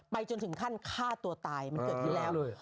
จนถึงขั้นฆ่าตัวตายมันเกิดขึ้นแล้ว